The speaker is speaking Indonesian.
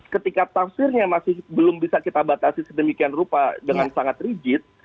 ketika tafsirnya masih belum bisa kita batasi sedemikian rupa dengan sangat rigid